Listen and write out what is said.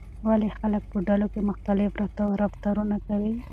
ولې خلک په ډلو کې مختلف رفتارونه کوي؟